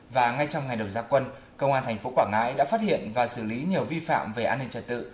và ngay trong ngày đầu ra quân công an thành phố quảng ngãi đã phát hiện và xử lý nhiều vi phạm về an ninh trật tự